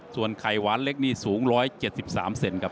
ส่วนไข่หวานเล็กนี่สูง๑๗๓เซนครับ